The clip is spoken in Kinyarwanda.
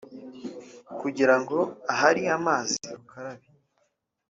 Kugira ngo ahari amazi ukarabe